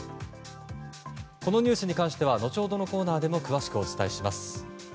このニュースに関しては後ほどのコーナーでも詳しくお伝えします。